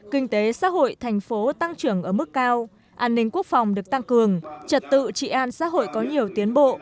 kinh tế xã hội thành phố tăng trưởng ở mức cao an ninh quốc phòng được tăng cường trật tự trị an xã hội có nhiều tiến bộ